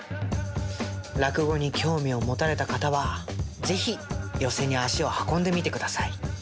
落語に興味を持たれた方は是非寄席に足を運んでみて下さい。